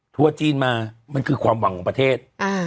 ทัวร์จีนมามันคือความหวังของประเทศ